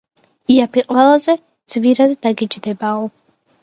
იაფი ყველაზე ძვირად დაგიჯდებაო.